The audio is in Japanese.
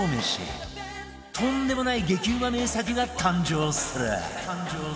とんでもない激うま名作が誕生する！